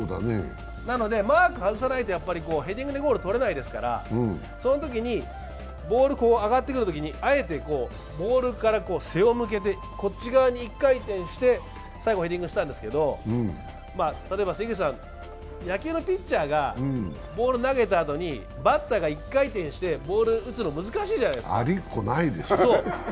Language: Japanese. なのでマーク外さないとヘディングでゴールとれないですからそのときにボール上がってくるときにあえてボールから背を向けて、こっち側に１回転して最後ヘディングしたんですけど例えば野球のピッチャーがボール投げたあとにバッターが一回転してボールを打つのって難しいじゃないですか。